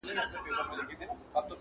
راغی پر نړۍ توپان ګوره چي لا څه کیږي٫